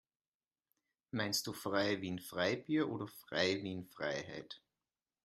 Meinst du frei wie in Freibier oder frei wie in Freiheit?